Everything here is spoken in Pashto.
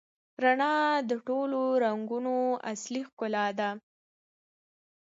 رڼا د ټولو رنګونو اصلي ښکلا ده.